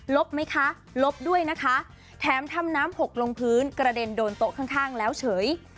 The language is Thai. ไหมคะลบด้วยนะคะแถมทำน้ำหกลงพื้นกระเด็นโดนโต๊ะข้างแล้วเฉย